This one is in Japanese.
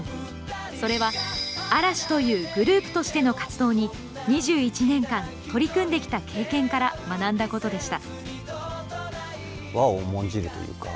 それは嵐というグループとしての活動に、２１年間取り組んできた経験から学んだことでした。